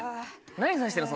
何さしてるの？